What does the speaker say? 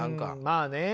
まあね。